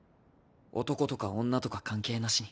男とか女とか関係なしに。